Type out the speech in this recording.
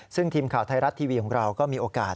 ซึ่งทีมข่าวไทยรัฐทีวีของเราก็มีโอกาส